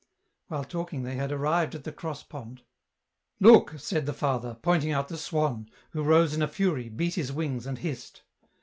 While talking, they had arrived at the cross pond. " Look," said the father, pointing out the swan, who rose in a fury, beat his wings, and hissed.